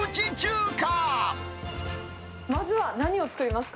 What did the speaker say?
まずは、何を作りますか？